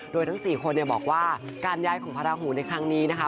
โดยทั้ง๔คนบอกว่าการย้ายของพระราหูในครั้งนี้นะคะ